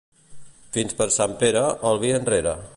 Fins per Sant Pere, el vi enrere.